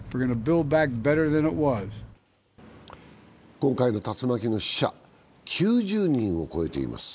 今回の竜巻の死者、９０人を超えています。